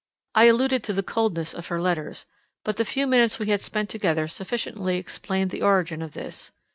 I alluded to the coldness of her letters; but the few minutes we had spent together sufficiently explained the origin of this.